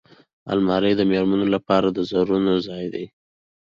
الماري د مېرمنو لپاره د زرونو ځای دی